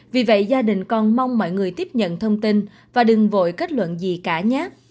vì vậy gia đình còn mong mọi người tiếp nhận thông tin và đừng vội kết luận gì cả nháp